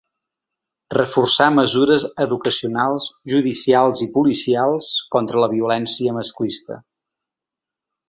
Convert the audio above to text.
Reforçar mesures educacionals, judicials i policials contra la violència masclista.